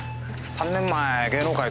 ３年前芸能界